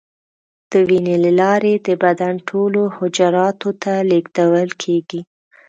د وینې له لارې د بدن ټولو حجراتو ته لیږدول کېږي.